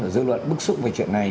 dư luận bức xúc về chuyện này